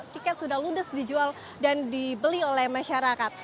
dua ratus tujuh puluh dua tiket sudah ludes dijual dan dibeli oleh masyarakat